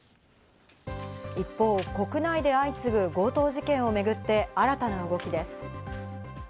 一方、国内で相次ぐ強盗事件をめぐって新たな動きです。